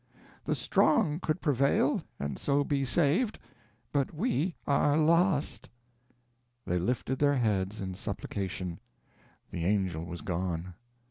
The strong could prevail, and so be saved, but we are lost." They lifted their heads in supplication. The angel was gone.